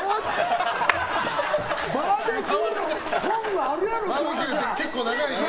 バーベキューのトングあるやろって。